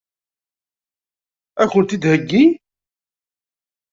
Ad k-ten-id-theggi?